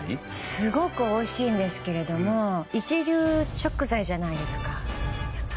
すごくおいしいんですけれども一流食材じゃないですか。